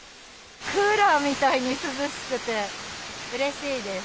クーラーみたいに涼しくて、うれしいです。